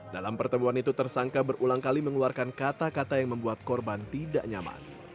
dalam pertemuan itu tersangka berulang kali mengeluarkan kata kata yang membuat korban tidak nyaman